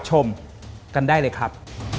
สวัสดีครับ